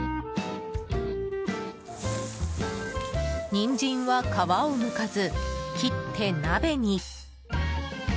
ニンジンは皮をむかず、切って鍋に。